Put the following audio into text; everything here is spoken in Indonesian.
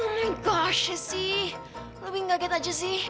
oh my gosh si lebih ngaget aja si